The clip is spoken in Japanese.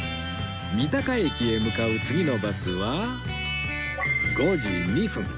三鷹駅へ向かう次のバスは５時２分